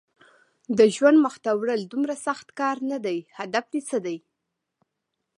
د ژوند مخته وړل دومره سخت کار نه دی، هدف دې څه دی؟